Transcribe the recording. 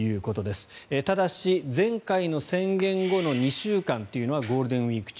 ただし、前回の宣言後の２週間というのはゴールデンウィーク中。